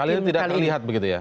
hal ini tidak terlihat begitu ya